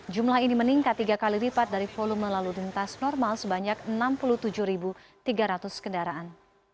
jumlah ini meningkat tiga kali lipat dari volume lalu lintas normal sebanyak enam puluh tujuh tiga ratus kendaraan